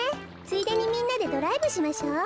ついでにみんなでドライブしましょう。